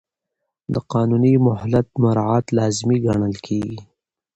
د قانوني مهلت مراعات لازمي ګڼل کېږي.